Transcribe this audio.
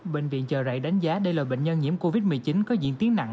bệnh viện chợ rẫy đánh giá đây là bệnh nhân nhiễm covid một mươi chín có diễn tiến nặng